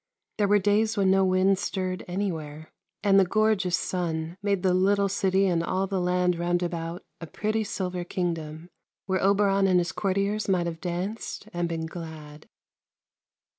There were days when no wind stirred anywhere, and the gorgeous sun made the little city and all the land roundabout a pretty silver king 334 THE LANE THAT HAD NO TURNING dom, where Oberon and his courtiers might have danced and been glad.